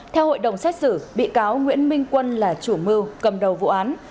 theo hội đồng xét xử bị cáo nguyễn minh quân là chủ mưu cầm đầu vụ án